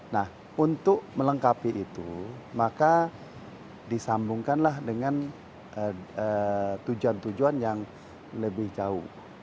nah untuk melengkapi itu maka disambungkanlah dengan tujuan tujuan yang lebih jauh